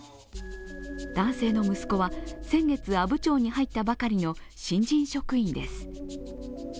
男性の息子は、先月阿武町に入ったばかりの新人職員です。